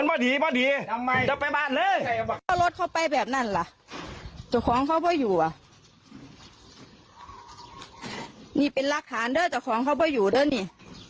นี่เป็นลักษณ์เด้อเจ้าของเขาเป็นอยู่ด้วยนี่